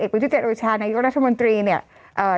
พุทธเจโรชานายกรัฐมนตรีเนี่ย